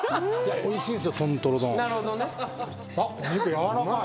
おいしいです。